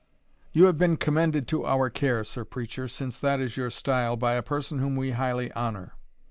"You have been commended to our care, Sir Preacher, since that is your style, by a person whom we highly honour."